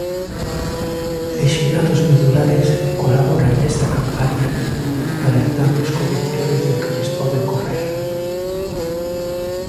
Lesionados medulares colaboran nesta campaña alertando os condutores do que lles pode ocorrer.